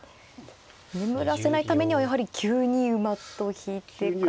眠らせないためにはやはり９二馬と引いて活用して。